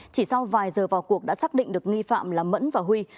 chỉ sau vài giờ vào cuộc đã xác định được nghi phạm là mẫn và huy